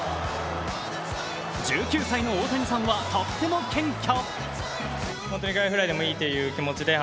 １９歳の大谷さんはとっても謙虚。